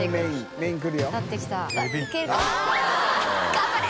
頑張れ！